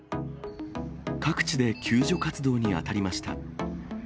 各地で救助活動に当たりました。